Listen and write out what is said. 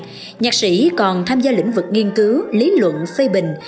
các nhạc sĩ còn tham gia lĩnh vực nghiên cứu lý luận phê bình